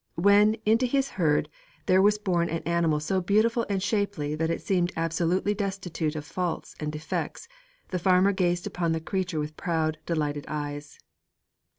When, into his herd, there was born an animal so beautiful and shapely that it seemed absolutely destitute of faults and defects, the farmer gazed upon the creature with proud, delighted eyes.